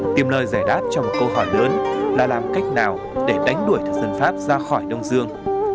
tìm lời giải đáp cho một câu hỏi lớn là làm cách nào để đánh đuổi thực dân pháp ra khỏi đông dương